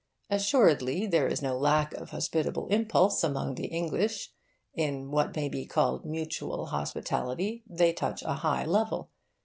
Assuredly there is no lack of hospitable impulse among the English. In what may be called mutual hospitality they touch a high level.